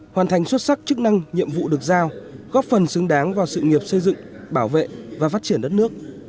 hoàn thành xuất sắc chức năng nhiệm vụ được giao góp phần xứng đáng vào sự nghiệp xây dựng bảo vệ và phát triển đất nước